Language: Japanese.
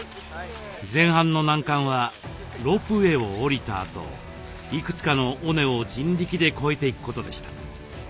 前半の難関はロープウエーを降りたあといくつかの尾根を人力で越えていくことでした。